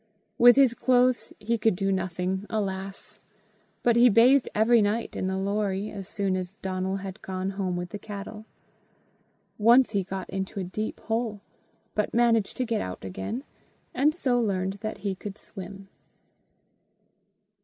With his clothes he could do nothing, alas! but he bathed every night in the Lorrie as soon as Donal had gone home with the cattle. Once he got into a deep hole, but managed to get out again, and so learned that he could swim.